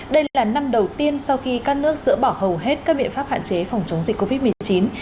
đây là năm đầu tiên sau khi các nước dỡ bỏ hầu hết các biện pháp hạn chế phòng chống dịch covid một mươi chín